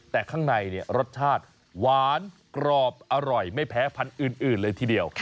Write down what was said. แต่ข้างในรสชาติหวานกรอบอร่อยไม่แพ้พันธุ์อื่นเลยทีเดียว